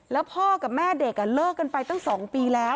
แล้วพ่อกับแม่เด็กเลิกกันไปตั้ง๒ปีแล้ว